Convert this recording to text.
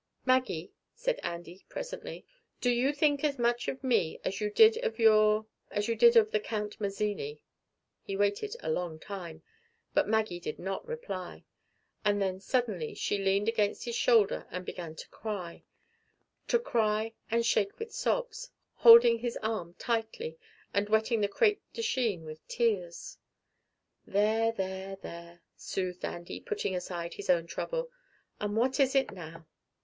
"Maggie," said Andy presently, "do you think as much of me as you did of your as you did of the Count Mazzini?" He waited a long time, but Maggie did not reply. And then, suddenly she leaned against his shoulder and began to cry to cry and shake with sobs, holding his arm tightly and wetting the crêpe de Chine with tears. "There, there, there!" soothed Andy, putting aside his own trouble. "And what is it now?"